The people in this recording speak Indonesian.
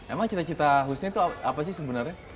emang cita cita husni itu apa sih sebenarnya